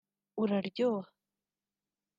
uraryoha